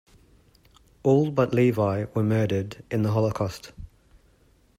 All but Levie were murdered in the Holocaust.